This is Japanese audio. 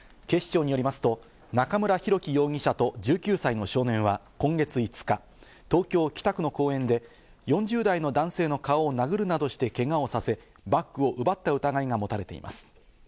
警視庁によりますと中村博樹容疑者と１９歳の少年は今月５日、東京・北区の公園で４０代の男性の顔を殴るなどして、けがをさせバッグを奪った疑いが持たれています。